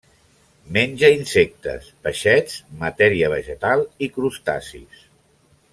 Menja insectes, peixets, matèria vegetal i crustacis.